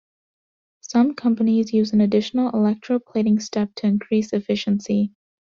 Some companies use an additional electro-plating step to increase efficiency.